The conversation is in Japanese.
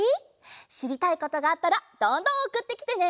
しりたいことがあったらどんどんおくってきてね！